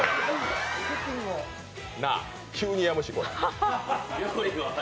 なあ、急にやむし。